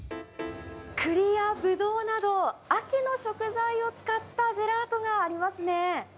クリやブドウなど、秋の食材を使ったジェラートがありますね。